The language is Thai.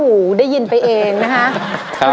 หูได้ยินไปเองนะคะ